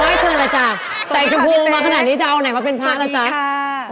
ว่าให้เชิญละจ๊ะแต่ชมพูมาขนาดนี้จะเอาไหนมาเป็นภาคละจ๊ะสวัสดีค่ะ